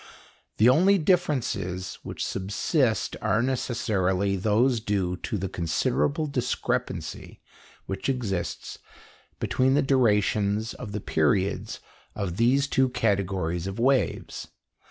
The only differences which subsist are necessarily those due to the considerable discrepancy which exists between the durations of the periods of these two categories of waves.